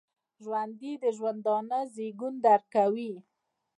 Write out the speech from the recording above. ژوندي د ژوندانه زیږون درک کوي